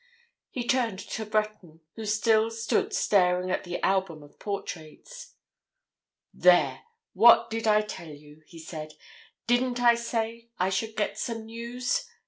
He turned to Breton, who still stood staring at the album of portraits. "There!—what did I tell you?" he said. "Didn't I say I should get some news?